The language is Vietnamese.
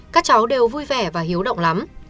các cháu đều vui vẻ và hiếu động lắm